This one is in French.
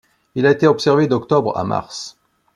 Il a été observé d'octobre à mars.